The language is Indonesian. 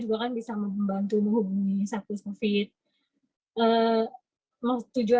takutnya orang pada nggak tahu kita diem diem aja